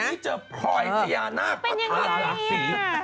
พอที่เจอพรอยพยานาคประธานหลักศรี